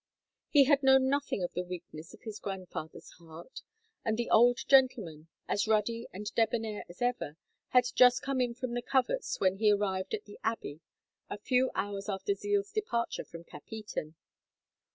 He had known nothing of the weakness of his grandfather's heart, and the old gentleman, as ruddy and debonair as ever, had just come in from the coverts when he arrived at the Abbey a few hours after Zeal's departure from Capheaton.